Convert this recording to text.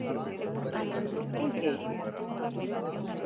¿En que?